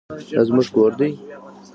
دا زموږ کور دی؟